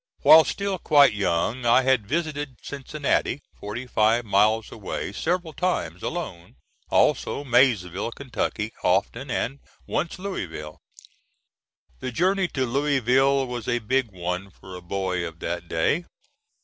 While still quite young I had visited Cincinnati, forty five miles away, several times, alone; also Maysville, Kentucky, often, and once Louisville. The journey to Louisville was a big one for a boy of that day.